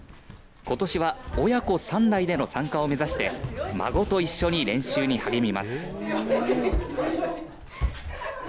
ことしは親子３代での参加を目指して孫と一緒に練習に励みます。